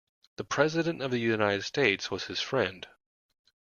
The President of the United States was his friend.